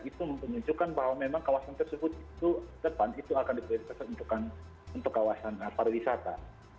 itu menunjukkan bahwa memang kawasan tersebut itu depan itu akan diprioritaskan untuk kawasan pariwisata